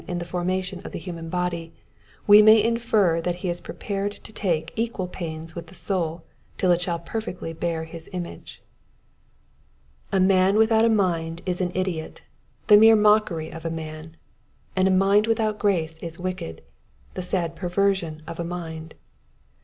in the formation of the human body, we may infer that he is prepared to take equal pains with the soul till it shall perfectly bear his image. Digitized by VjOOQIC 182 EXPOSITIOKS OF THE PSALMS. A man without a mind is an idiot, the mere mockery of a man ; and a mind without grace is wicked, the sad perversion of a mind.